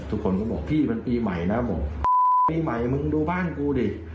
ทุกคนก็บอกพี่มันปีใหม่นะผมปีใหม่มึงดูบ้านกูดิ